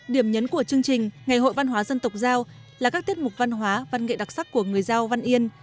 điểm nhấn của chương trình ngày hội văn hóa dân tộc giao là các tiết mục văn hóa văn nghệ đặc sắc của người giao văn yên